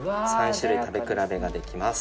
３種類食べ比べができます。